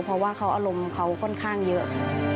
เพราะว่าเขาอารมณ์เขาค่อนข้างเยอะ